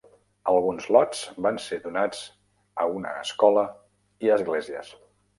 Alguns lots van ser donats a una escola i esglésies.